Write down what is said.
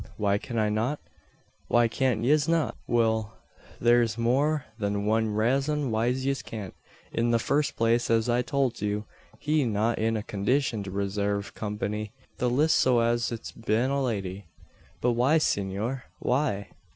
"Why can I not?" "Why cyant yez not? Will thare's more than wan rayzon why yez cyant. In the first place, as I've towlt you, he's not in a condishun to resave company the liss so av its bein' a lady." "But why, senor? Why?"